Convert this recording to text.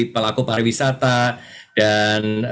pelaku pariwisata dan